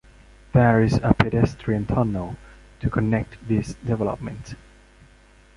There is a pedestrian tunnel to connect these developments.